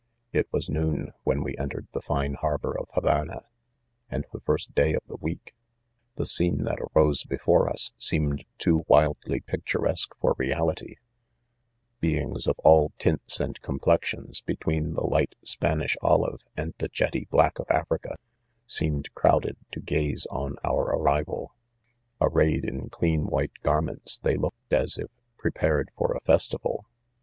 c It was noon when we entered the fine har bor: of Havana, and the first day of the week. The scene that arose before us, seemed to o wildly picturesque for reality, Beings of all tints and complexions, between the light Span ish olive, and the jetty black of Africa, seem ed crowded to gaze on our arrival ; arrayed In clean white garments, they looked as if pre pared for. a festival.